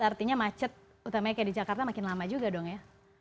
artinya macet utamanya kayak di jakarta makin lama juga dong ya